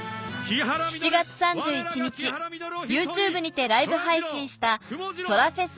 ７月３１日ＹｏｕＴｕｂｅにてライブ配信したそらフェス